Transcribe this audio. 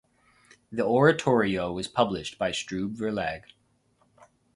The oratorio was published by Strube Verlag.